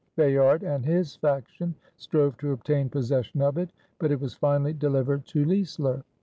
Bayard and his faction strove to obtain possession of it; but it was finally delivered to Leisler.